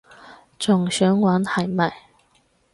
仲想玩係咪？